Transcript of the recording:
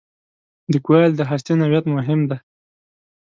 د کوایل د هستې نوعیت مهم دی.